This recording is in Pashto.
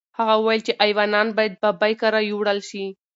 هغه وویل چې ایوانان باید ببۍ کره یوړل شي.